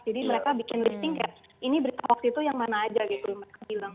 jadi mereka bikin listing kayak ini berita hoax itu yang mana aja gitu mereka bilang